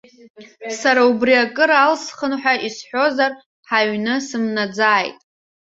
Сара убри акыр алсхып ҳәа исҳәозар, ҳаҩны сымнаӡааит!